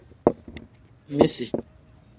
Misi.